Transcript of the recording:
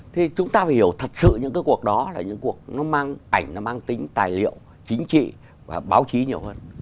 thì chúng ta phải hiểu thật sự những cái cuộc đó là những cuộc nó mang ảnh nó mang tính tài liệu chính trị và báo chí nhiều hơn